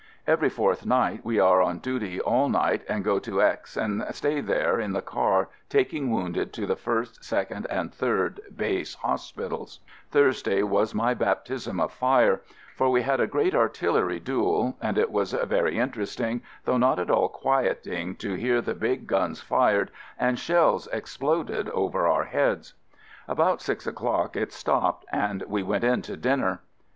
Every fourth night we are on duty all night and go to X and stay there in the car taking wounded to the first, second, and third base hospitals. FIELD SERVICE 11 Thursday was my baptism of fire, for we had a great artillery duel, and it was very interesting, though not at all quieting to hear the big guns fired and shells exploded over our heads. About six o'clock it stopped and we went in to dinner.